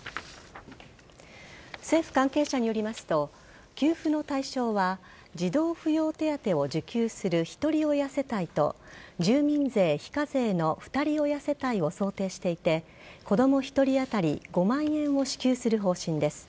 政府関係者によりますと給付の対象は児童扶養手当を受給するひとり親世帯と住民税非課税のふたり親世帯を想定していて子供１人当たり５万円を支給する方針です。